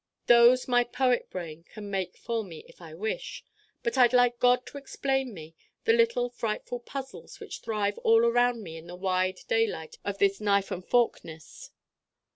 Those my poet brain can make for me if I wish. But I'd like God to explain me the little frightful puzzles which thrive all around me in the wide daylight of this knife and fork ness.